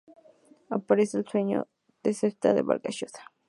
Aparece en "El sueño del Celta" de Vargas Llosa.